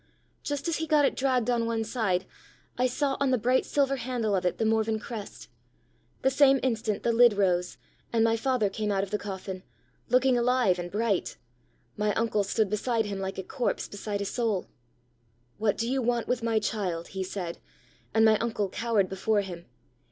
Just as he got it dragged on one side, I saw on the bright silver handle of it the Morven crest. The same instant the lid rose, and my father came out of the coffin, looking alive and bright; my uncle stood beside him like a corpse beside a soul. 'What do you want with my child?' he said; and my uncle cowered before him.